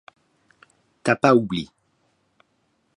T'as pas oubli